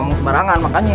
emang kemarangan makanya